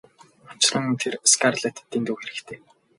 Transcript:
Учир нь тэр Скарлеттад дэндүү хэрэгтэй.